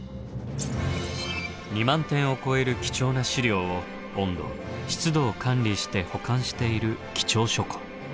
２万点を超える貴重な資料を温度・湿度を管理して保管している貴重書庫。